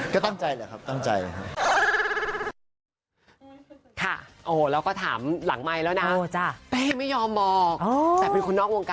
ก็ตั้งใจเลยครับตั้งใจเลยครับ